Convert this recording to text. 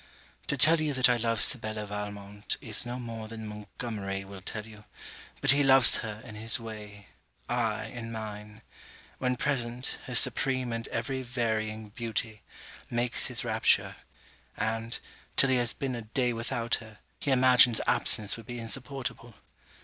To tell you that I love Sibella Valmont, is no more than Montgomery will tell you. But he loves her, in his way. I, in mine. When present, her supreme and every varying beauty, makes his rapture; and, till he has been a day without her, he imagines absence would be insupportable.